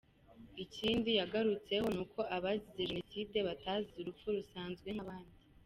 Ikindi yagarutseho ni uko abazize jenoside batazize urupfu rusanzwe nk’abandi.